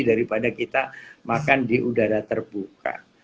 daripada kita makan di udara terbuka